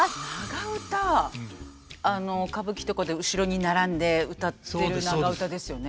あの歌舞伎とかで後ろに並んでうたってる長唄ですよね。